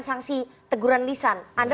sangsi teguran lisan anda